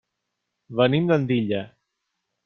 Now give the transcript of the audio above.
Venim d'Andilla.